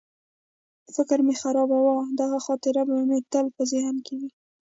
فکر مه خرابوه، دغه خاطره به مې تل په ذهن کې وي.